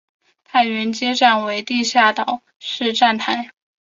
太原街站为地下岛式站台。